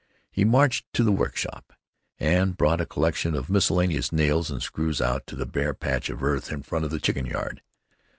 He marched to the workshop and brought a collection of miscellaneous nails and screws out to a bare patch of earth in front of the chicken yard.